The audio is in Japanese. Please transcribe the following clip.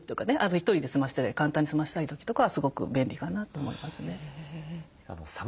１人で済ましたり簡単に済ませたい時とかはすごく便利かなと思いますね。